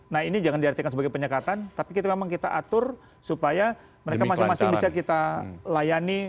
nah ini jangan diartikan sebagai penyekatan tapi memang kita atur supaya mereka masing masing bisa kita layani